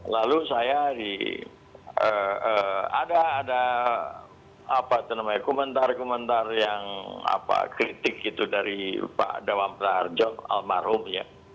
lalu saya ada komentar komentar yang kritik dari pak dewa meraharjo almarhumnya